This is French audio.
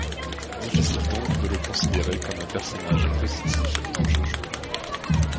Difficile donc de le considérer comme un personnage positif dans JoJo.